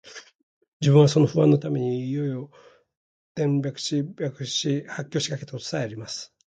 自分はその不安のために夜々、転輾し、呻吟し、発狂しかけた事さえあります